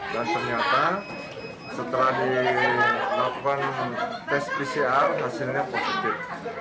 dan ternyata setelah dilakukan tes pcr hasilnya positif